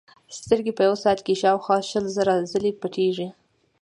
سترګې په یوه ساعت کې شاوخوا شل زره ځلې پټېږي.